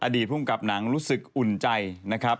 ภูมิกับหนังรู้สึกอุ่นใจนะครับ